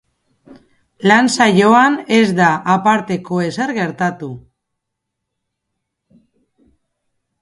Lan saioan ez da aparteko ezer gertatu.